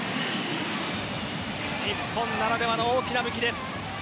日本ならではの大きな武器です。